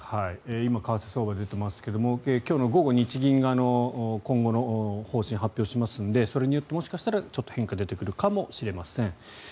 今為替相場が出ていますが今日の午後、日銀が今後の方針を発表しますのでそれによってもしかしたら変化が出てくるかもしれません。